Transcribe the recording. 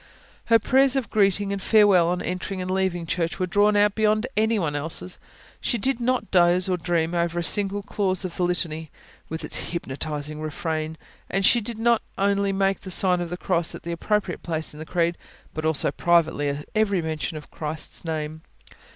Her prayers of greeting and farewell, on entering and leaving church, were drawn out beyond anyone else's; she did not doze or dream over a single clause of the Litany, with its hypnotising refrain; and she not only made the sign of the Cross at the appropriate place in the Creed, but also privately at every mention of Christ's name.